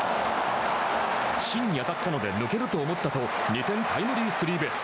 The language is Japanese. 芯に当たったので抜けると思ったと２点タイムリースリーベース。